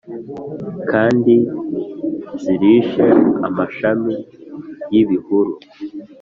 kandi zirishe amashami y’ibihuru.